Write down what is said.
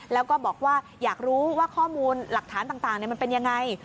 แล้วก็บอกว่าอยากรู้ว่าข้อมูลหลักฐานต่างมันเป็นยังไง